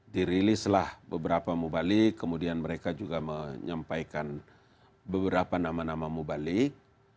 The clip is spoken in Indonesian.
dirilislah beberapa mubalik kemudian mereka juga menyampaikan beberapa nama nama mubalik